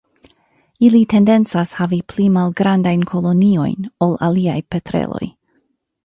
Ili tendencas havi pli malgrandajn koloniojn ol aliaj petreloj.